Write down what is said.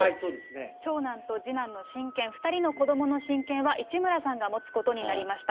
長男と次男の親権、２人の子どもの親権は市村さんが持つことになりました。